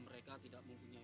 betul dik usman